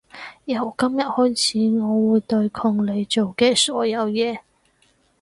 由今日開始我會對抗你做嘅所有嘢